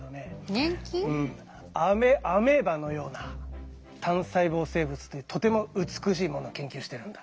アメアメーバのような単細胞生物でとても美しいものを研究してるんだ。